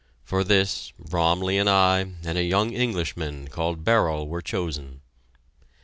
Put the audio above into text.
For this, Bromley and I, and a young Englishman called Bherral were chosen.